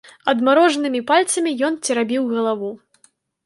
Адмарожанымі пальцамі ён церабіў галаву.